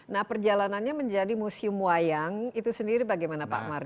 nah perjalanannya menjadi museum wayang itu sendiri bagaimana pak mardi